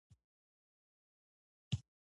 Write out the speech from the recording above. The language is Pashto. په خپله له دوو زرو کسانو سره له ښاره ووت.